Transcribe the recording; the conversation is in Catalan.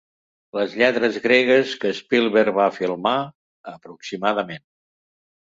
Les lletres gregues que Spielberg va filmar, aproximadament.